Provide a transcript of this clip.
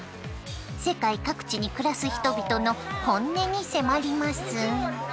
世界各地に暮らす人々の本音に迫ります。